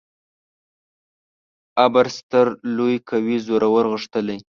ابر: ستر ، لوی ، قوي، زورور، غښتلی